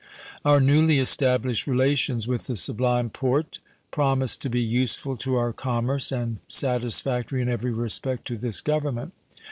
Our newly established relations with the Sublime Porte promise to be useful to our commerce and satisfactory in every respect to this Government.